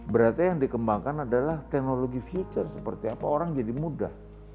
berarti yang dikembangkan adalah teknologi future seperti apa orang jadi mudah